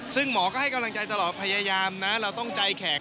ซึ่งหมอก็ให้กำลังใจตลอดพยายามนะเราต้องใจแขก